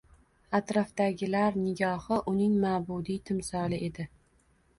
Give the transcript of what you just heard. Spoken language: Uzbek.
Atrofdagilar nigohi uning ma’budiy timsoli edi.